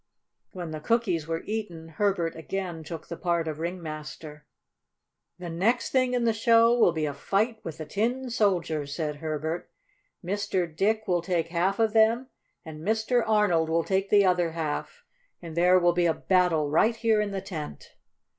When the cookies were eaten, Herbert again took the part of ringmaster. "The next thing in the show will be a fight with the Tin Soldiers," said Herbert. "Mr. Dick will take half of them and Mr. Arnold will take the other half, and there will be a battle right here in the tent."